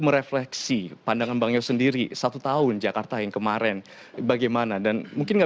merefleksi pandangan bang yose sendiri satu tahun jakarta yang kemarin bagaimana dan mungkin nggak